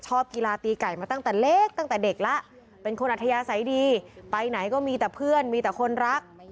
ชอบกีฬาตีไก่มาตั้งแต่เล็กตั้งแต่เด็กแล้วเป็นคนอัธยาศัยดีไปไหนก็มีแต่เพื่อนมีแต่คนรัก